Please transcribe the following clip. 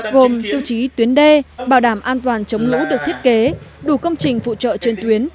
gồm tiêu chí tuyến đê bảo đảm an toàn chống lũ được thiết kế đủ công trình phụ trợ trên tuyến